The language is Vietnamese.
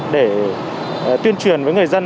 để tuyên truyền với người dân